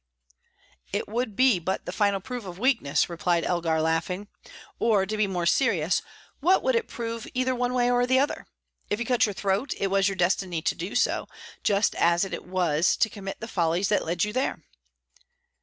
"It would be but the final proof of weakness," replied Elgar, laughing. "Or, to be more serious, what would it prove either one way or the other? If you cut your throat, it was your destiny to do so; just as it was to commit the follies that led you there.